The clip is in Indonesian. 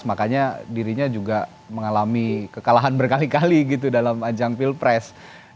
makanya dirinya juga mengalami kekalahan berkali kali gitu dalam ajang pilpres